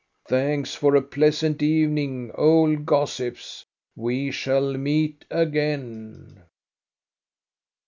Thanks for a pleasant evening, old gossips. We shall meet again."